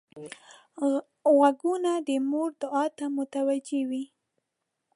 غوږونه د مور دعا ته متوجه وي